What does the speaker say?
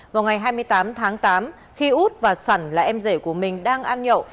vào ngày hai mươi tám tháng tám khi út và sẩn là em rể của mình đang ăn nhậu